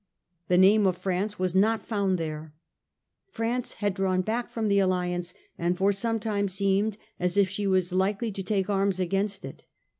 The name of France was not found there. France had drawn back from the affiance, and for some time seemed as if she were likely to take arms against it.